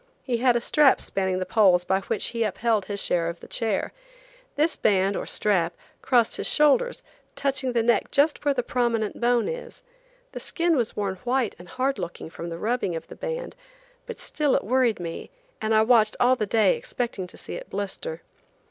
He had a strap spanning the poles by which he upheld his share of the chair. This band, or strap, crossed his shoulders, touching the neck just where the prominent bone is. The skin was worn white and hard looking from the rubbing of the band; but still it worried me, and I watched all the day expecting to see it blister.